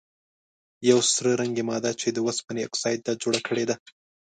یوه سره رنګې ماده چې د اوسپنې اکسایډ ده جوړه کړي ده.